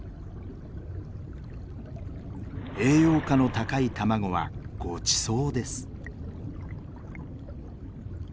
栄養価の高い卵はごちそうです。